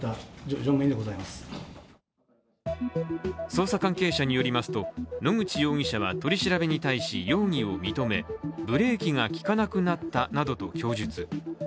捜査関係者によりますと、野口容疑者は取り調べに対し容疑を認め、ブレーキが利かなくなったなどと供述。